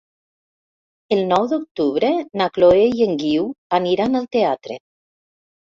El nou d'octubre na Chloé i en Guiu aniran al teatre.